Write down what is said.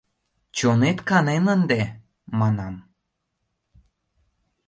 Чонет канен ынде, — манам.